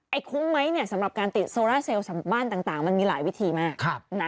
คุ้มไหมเนี่ยสำหรับการติดโซล่าเซลล์บ้านต่างมันมีหลายวิธีมาก